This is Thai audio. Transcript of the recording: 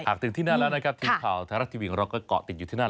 ถึงที่นั่นแล้วนะครับทีมข่าวไทยรัฐทีวีของเราก็เกาะติดอยู่ที่นั่น